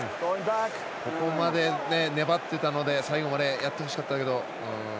ここまで粘っていたので最後までやってほしかったけど。